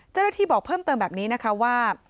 เจ้าหน้าที่บอกเพิ่มเติมแบบนี้นะคะว่า